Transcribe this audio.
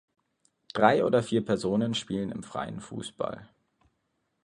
Drei oder vier Personen spielen im Freien Fußball.